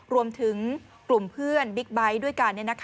รวมถึงกลุ่มเพื่อนบิ๊กไบท์ด้วยกัน